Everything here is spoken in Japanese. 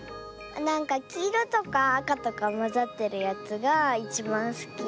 なんかきいろとかあかとかまざってるやつがいちばんすき。